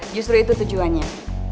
justru itu tujuannya